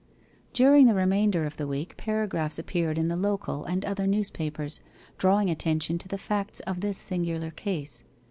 During the remainder of the week paragraphs appeared in the local and other newspapers, drawing attention to the facts of this singular case.